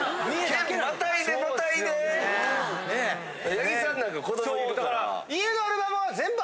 八木さんなんか子どもいるから。